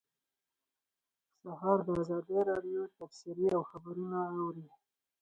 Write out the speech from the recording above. سهار د ازادۍ راډیو تبصرې او خبرونه اوري.